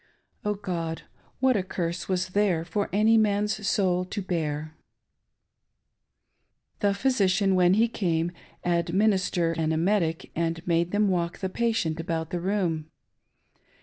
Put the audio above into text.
— Oh God ! what a curse was there for any man's soul to bear ! The physician, when he came, administered an emetic and made them walk the patient about the room.